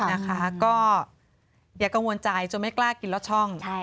นะคะก็อย่ากังวลใจจนไม่กล้ากินลอดช่อง